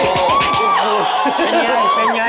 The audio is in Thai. อ่าาาพี่ยังไงทำอย่างไร